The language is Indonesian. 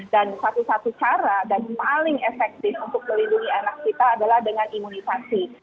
dan satu satu cara dan paling efektif untuk melindungi anak kita adalah dengan imunisasi